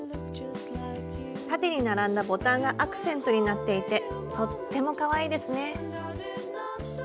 縦に並んだボタンがアクセントになっていてとってもかわいいですね。